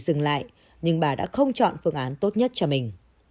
bà đã dừng lại nhưng bà đã không chọn phương án tốt nhất cho mình